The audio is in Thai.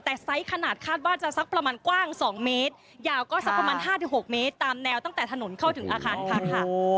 แต่ไซส์ขนาดคาดว่าจะสักประมาณกว้าง๒เมตรยาวก็สักประมาณ๕๖เมตรตามแนวตั้งแต่ถนนเข้าถึงอาคารพักค่ะ